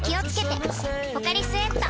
「ポカリスエット」